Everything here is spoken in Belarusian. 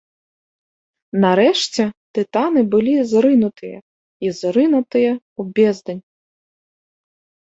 Нарэшце тытаны былі зрынутыя і зрынутыя ў бездань.